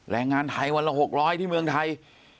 แรงงานไทยวันละ๖๐๐ที่เมืองไทย